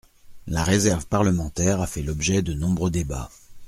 La réserve parlementaire a fait l’objet de nombreux débats.